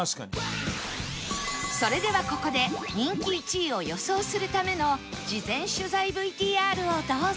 それではここで人気１位を予想するための事前取材 ＶＴＲ をどうぞ